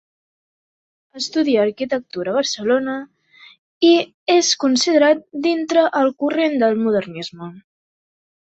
Estudià arquitectura a Barcelona i és considerat dintre el corrent del modernisme.